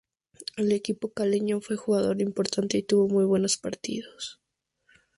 En el equipo caleño, fue un jugador importante, y tuvo muy buenos partidos.